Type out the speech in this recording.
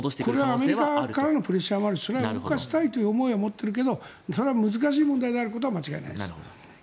アメリカからのプレッシャーがあるし動かしたいという思いはあるけれどそれは難しい問題があることは間違いないです。